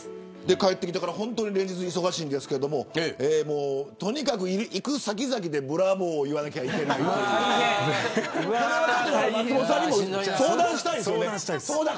帰ってきてから本当に連日、忙しいんですけどとにかく行く先々でブラボーを言わなきゃいけない松本さんにも相談したいと。